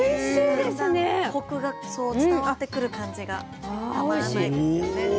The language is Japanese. だんだんコクがそう伝わってくる感じがたまらないですよね。